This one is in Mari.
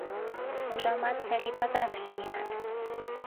— Ужамат, Салий, пазарыш миенат?